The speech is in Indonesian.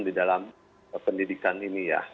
di dalam pendidikan ini ya